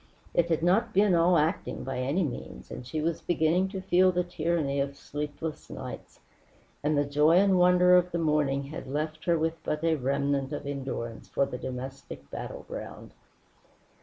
It had not been all acting, by any means, and she was beginning to feel the tyranny of sleepless nights; and the joy and wonder of the morning had left her with but a remnant of endurance for the domestic battleground.